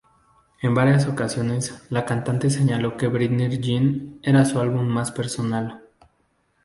En varias ocasiones, la cantante señaló que "Britney Jean" era su álbum más personal.